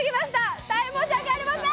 大変申し訳ありません！